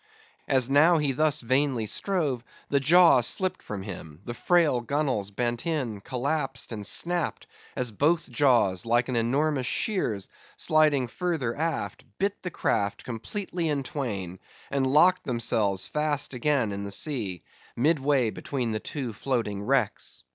As now he thus vainly strove, the jaw slipped from him; the frail gunwales bent in, collapsed, and snapped, as both jaws, like an enormous shears, sliding further aft, bit the craft completely in twain, and locked themselves fast again in the sea, midway between the two floating wrecks.